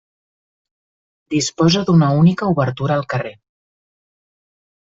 Disposa d'una única obertura al carrer.